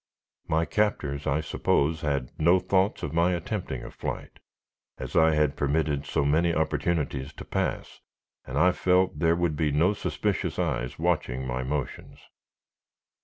My captors, I suppose, had no thoughts of my attempting a flight, as I had permitted so many opportunities to pass, and I felt there would be no suspicious eyes watching my motions.